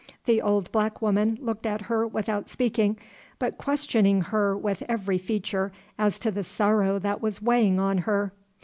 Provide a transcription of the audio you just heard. The old black woman looked at her without speaking, but questioning her with every feature as to the sorrow that was weighing on her.